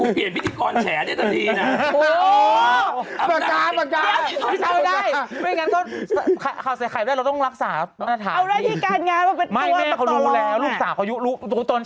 เฮ้ยก่อนใครด้วยเราต้องรักษาการอธรรม